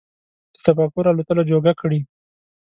د تفکر الوتلو جوګه کړي